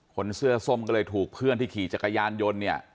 คนเสื้อส้มก็เลยถูกเพื่อนที่ขี่จักรยานยนต์เนี่ย